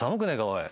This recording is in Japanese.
おい。